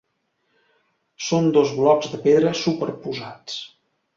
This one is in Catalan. Són dos blocs de pedra superposats.